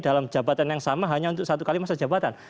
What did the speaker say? dalam jabatan yang sama hanya untuk satu kali masa jabatan